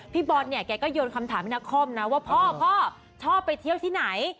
พี่บอลเนี่ยแกก็โยนคำถามให้นักคอมนะว่าพ่อชอบไปเที่ยวที่ไหน